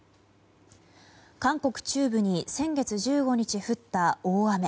韓国中部に先月１５日降った大雨。